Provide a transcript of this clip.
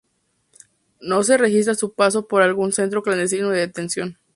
No se registra su paso por algún centro clandestino de detención.